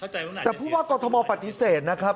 แต่ผู้ว่ากรทมปฏิเสธนะครับ